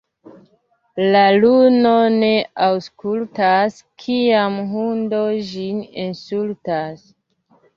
La luno ne aŭskultas, kiam hundo ĝin insultas.